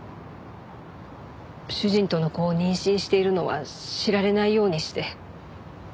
主人との子を妊娠しているのは知られないようにして。